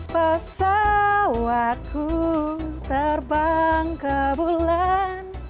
pesawatku terbang ke bulan